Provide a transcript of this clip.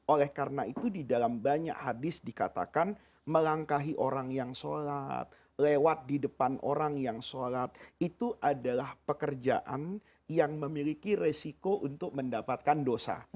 oleh karena itu di dalam banyak hadis dikatakan melangkahi orang yang sholat lewat di depan orang yang sholat itu adalah pekerjaan yang memiliki resiko untuk mendapatkan dosa